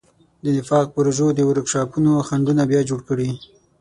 د نفاق پروژو د ورکشاپونو خنډونه بیا جوړ کړي.